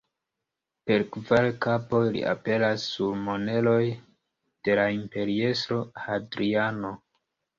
Per kvar kapoj li aperas sur moneroj de la imperiestro Hadriano.